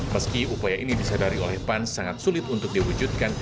meski upaya ini disadari oleh pan sangat sulit untuk diwujudkan